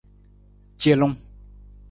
Celung.